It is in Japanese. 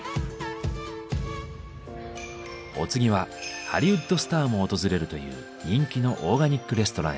お次はハリウッドスターも訪れるという人気のオーガニックレストランへ。